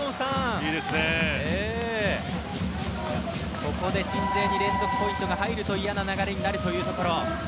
ここで鎮西に連続ポイントが入ると嫌な流れになるというところ。